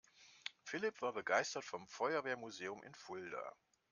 Philipp war begeistert vom Feuerwehrmuseum in Fulda.